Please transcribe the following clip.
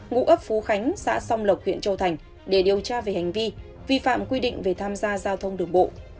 ngụ ấp phú khánh xã song lộc huyện châu thành để điều tra về hành vi vi phạm quy định về tham gia giao thông đường bộ